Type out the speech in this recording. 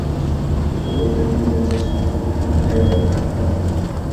Wapo baina ndege wachache ambao hula nta ya wadudu-gamba.